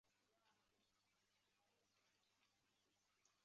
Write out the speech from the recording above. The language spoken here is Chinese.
斛斯椿之孙。